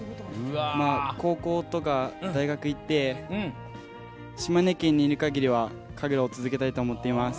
高校とか、大学行って島根県にいる限りは神楽を続けたいと思っています。